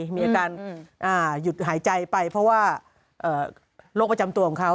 มีอาการหยุดหายใจไปเพราะว่าโรคประจำตัวของเขา